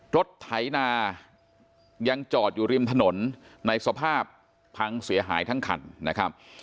ไถนายังจอดอยู่ริมถนนในสภาพพังเสียหายทั้งคันนะครับ